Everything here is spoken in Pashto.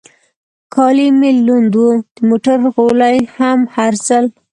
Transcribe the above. کالي مې لوند و، د موټر غولی هم هر ځل.